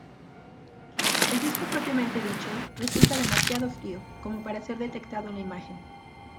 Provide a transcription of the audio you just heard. El disco propiamente dicho resulta demasiado frío como para ser detectado en la imagen.